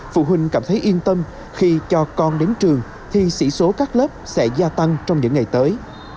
phụ huynh cảm thấy yên tâm khi cho con đến trường thì sĩ số các lớp sẽ gia tăng trong những ngày tới